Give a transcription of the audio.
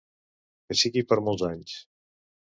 Que sigui per molts anys.